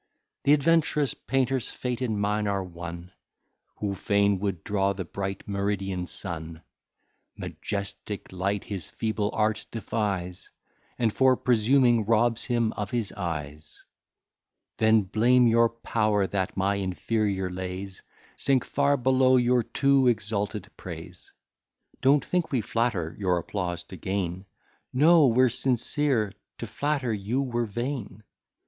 The advent'rous painter's fate and mine are one Who fain would draw the bright meridian sun; Majestic light his feeble art defies, And for presuming, robs him of his eyes. Then blame your power, that my inferior lays Sink far below your too exalted praise: Don't think we flatter, your applause to gain; No, we're sincere, to flatter you were vain.